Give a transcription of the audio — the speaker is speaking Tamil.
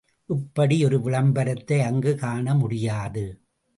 இப்படி ஒரு விளம்பரத்தை அங்குக் காண முடியாது.